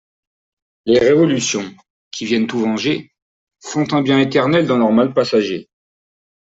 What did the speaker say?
Les Révolutions, qui viennent tout venger, Font un bien éternel dans leur mal passager.